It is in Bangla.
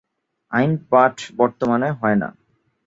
আইন পাঠ বর্তমানে হয়না।